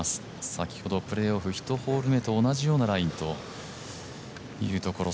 先ほどプレーオフ１ホール目と同じようなラインというところ。